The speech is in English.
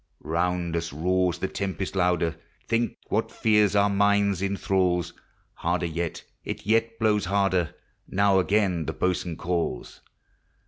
Round us roars the tempest louder, Think what fear our minds inthralls! Harder yet, it yet blows harder, Now again the boatswain calls.